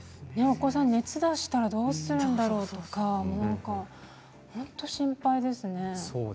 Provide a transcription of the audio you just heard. お子さんが熱を出したらどうするんだとか本当に心配ですね。